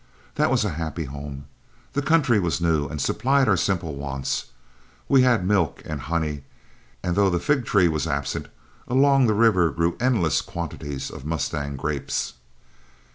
That was a happy home; the country was new and supplied our simple wants; we had milk and honey, and, though the fig tree was absent, along the river grew endless quantities of mustang grapes.